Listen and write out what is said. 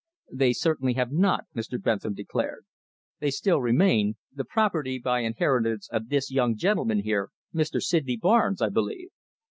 "They certainly have not," Mr. Bentham declared. "They still remain the property by inheritance of this young gentleman here Mr. Sydney Barnes, I believe."